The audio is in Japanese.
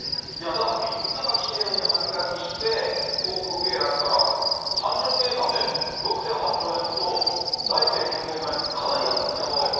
だから、みんながきれいに歯磨きして、口くうケアやったら、単純計算で６．８兆円浮くと、財政健全化にかなり役に立つという。